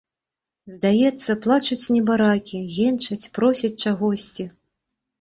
Здаецца, плачуць небаракі, енчаць, просяць чагосьці.